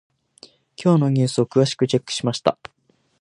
今日のニュースを詳しくチェックしました。